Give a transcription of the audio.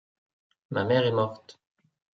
ma mère est morte.